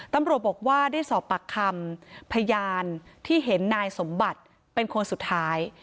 ตำรวจบอกว่าได้สอบปากคำพยานที่เห็นนายสมบัติเป็นคนสุดท้าย